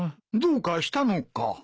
どうかしたのか？